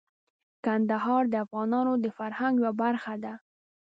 کندهار د افغانانو د فرهنګ یوه برخه ده.